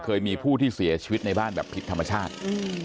เคยมีผู้ที่เสียชีวิตในบ้านแบบผิดธรรมชาติ